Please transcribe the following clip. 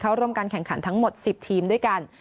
ร่วมการแข่งขันทั้งหมด๑๐ทีมด้วยกัน